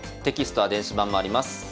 テキストは電子版もあります。